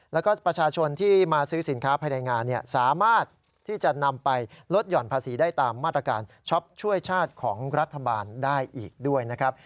แล้วก็ประชาชนที่มาซื้อสินค้าภายในงานสามารถที่จะนำไปลดหย่อนภาษีได้ตามมาตรการช็อปช่วยชาติของรัฐบาลได้อีกด้วยนะครับ